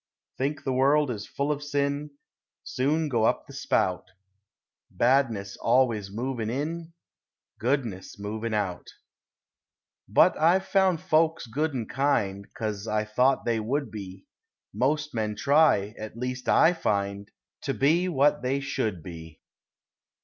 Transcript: Think the world is full of sin, Soon go up the spout; Badness always movin' in, Goodness movin' out. But I've found folks good and kind, 'Cause I thought they would be; Most men try, at least I find, To be what they should be.